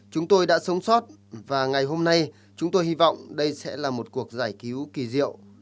chúng tôi đã sống sót và ngày hôm nay chúng tôi hy vọng đây sẽ là một cuộc giải cứu kỳ diệu